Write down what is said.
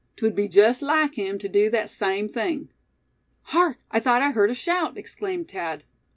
'Twud be jest like him tew dew thet same thing." "Hark! I thought I heard a shout!" exclaimed Thad.